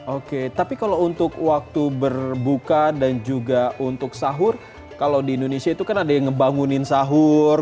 oke tapi kalau untuk waktu berbuka dan juga untuk sahur kalau di indonesia itu kan ada yang ngebangunin sahur